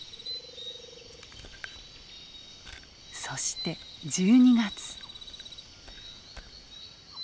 そして１２月。